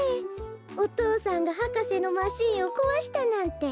お父さんが博士のマシーンをこわしたなんて。